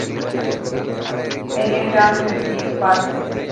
پهريان ٽاون ۾ گيم پارڪ هي.